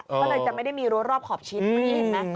ก็เลยจะไม่ได้มีรั้วรอบขอบชิดนี่เห็นไหม